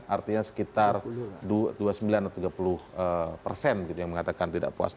artinya sekitar dua puluh sembilan atau tiga puluh persen yang mengatakan tidak puas